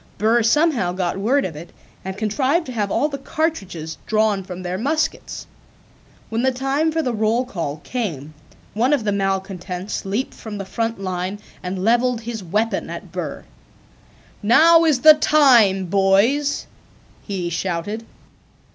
Burr somehow got word of it and contrived to have all the cartridges drawn from their muskets. When the time for the roll call came one of the malcontents leaped from the front line and leveled his weapon at Burr. "Now is the time, boys!" he shouted.